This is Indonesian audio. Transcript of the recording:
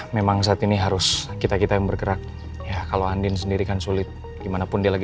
memang saat ini harus kita kita yang bergerak ya kalau andin sendiri kan sulit gimanapun dia lagi